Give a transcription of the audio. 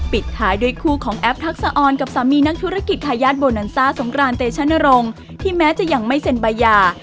ปิดท้ายด้วยคู่ของแอปทักษะออนกับสามีนักธุรกิจทายาทโบนันซ่าสงกรานเตชนรงค์ที่แม้จะยังไม่เซ็นใบยา